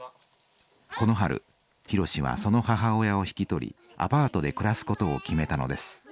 この春博はその母親を引き取りアパートで暮らすことを決めたのです。